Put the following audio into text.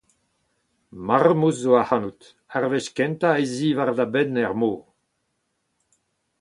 Marmouz ’zo ac’hanout, ar wech kentañ, ec’h i war da benn er mor!